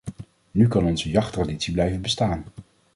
Nu kan onze jachttraditie blijven bestaan.